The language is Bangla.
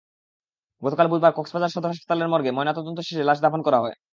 গতকাল বুধবার কক্সবাজার সদর হাসপাতালের মর্গে ময়নাতদন্ত শেষে লাশ দাফন করা হয়।